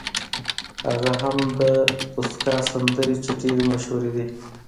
هغه هم د توسکا سندرې چې ډېرې مشهورې دي.